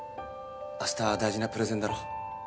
明日大事なプレゼンだろ？